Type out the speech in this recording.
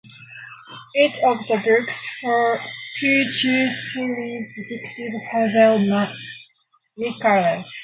Each of the books features series detective Hazel Micallef.